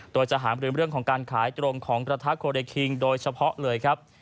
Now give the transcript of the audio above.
โดยจะหามลืมเรื่องของการขายตรงของกระทะโคเรคิงโดยเฉพาะเลยครับ